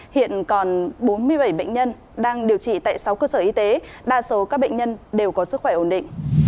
hiện còn bốn mươi bảy bệnh nhân đang điều trị tại sáu cơ sở y tế đa số các bệnh nhân đều có sức khỏe ổn định